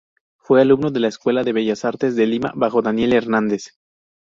Fue Alumno de la Escuela de Bellas Artes de Lima bajo Daniel Hernandez.